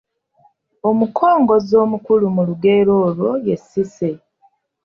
Omukongozzi omukulu mu lugero olwo ye Cissy.